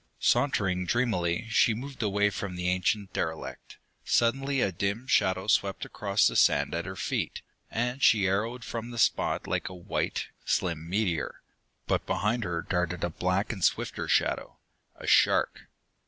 Sauntering dreamily, she moved away from the ancient derelict. Suddenly a dim shadow swept across the sand at her feet, and she arrowed from the spot like a white, slim meteor. But behind her darted a black and swifter shadow a shark!